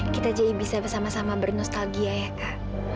kita jadi bisa bersama sama bernostalgia ya